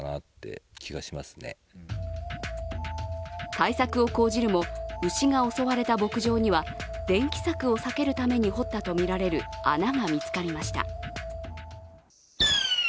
対策を講じるも、牛が襲われた牧場には電気柵を避けるために掘ったとみられる穴が見つかりました。